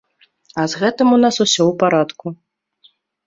А з гэтым у нас усё ў парадку.